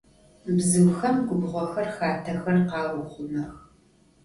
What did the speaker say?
Bzıuxem gubğoxer, xatexer khauxhumex.